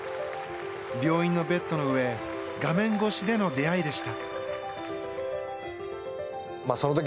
病院のベッドの上画面越しでの出会いでした。